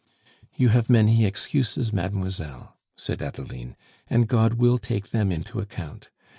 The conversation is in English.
"You have many excuses, mademoiselle," said Adeline, "and God will take them into account.